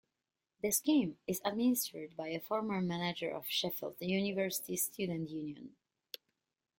The scheme is administered by a former manager of Sheffield University Student Union.